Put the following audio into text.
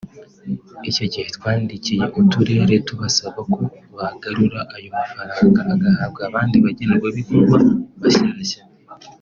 Icyo gihe twandikiye uturere tubasaba ko bagarura ayo mafaranga agahabwa abandi bagenerwabikorwa bashyashya